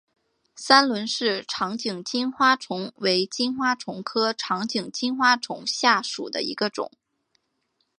三轮氏长颈金花虫为金花虫科长颈金花虫属下的一个种。